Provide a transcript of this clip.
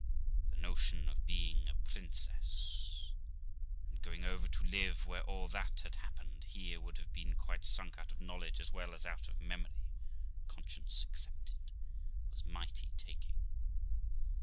The notion of being a princess, and going over to live where all that had happened here would have been quite sunk out of knowledge as well as out of memory (conscience excepted), was mighty taking.